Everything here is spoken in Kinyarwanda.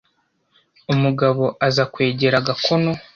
umugabo aza kwegera agakono